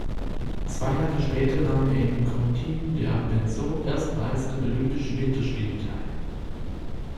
Zwei Jahre später nahm er in Cortina d’Ampezzo erstmals an Olympischen Winterspielen teil.